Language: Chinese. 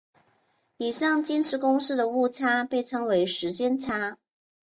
以上近似公式的误差称为时间差。